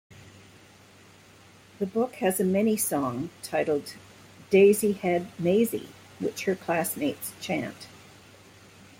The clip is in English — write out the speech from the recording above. The book has a mini-song titled "Daisy-Head Mayzie" which her classmates chant.